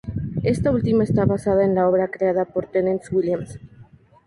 Esta última está basada en la obra creada por Tennessee Williams.